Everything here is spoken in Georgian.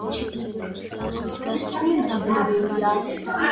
ჩრდილოეთით და ზღვის გასწვრივ დაბლობებია.